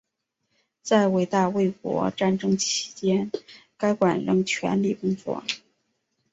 在伟大卫国战争期间该馆仍全力工作。